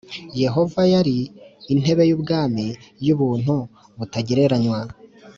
Yehova yari “intebe y’ubwami y’ubuntu butagereranywa